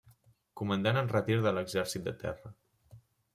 Comandant en retir de l'Exèrcit de Terra.